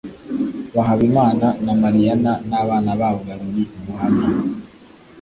wa Habimana na Mariyana n’abana babo babiri. Ubuhamya